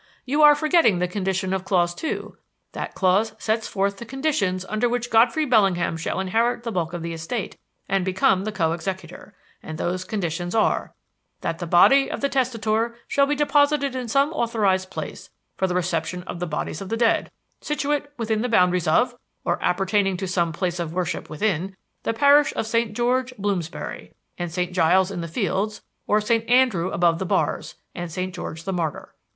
You are forgetting the condition of clause two. That clause sets forth the conditions under which Godfrey Bellingham shall inherit the bulk of the estate and become the co executor and those conditions are: 'that the body of the testator shall be deposited in some authorized place for the reception of the bodies of the dead, situate within the boundaries of, or appertaining to some place of worship within, the parish of St. George, Bloomsbury, and St. Giles in the Fields, or St. Andrew above the Bars and St. George the Martyr.'